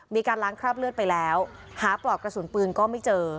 มีการล้างคราบเลือดไปแล้วหาปลอกกระสุนปืนก็ไม่เจอ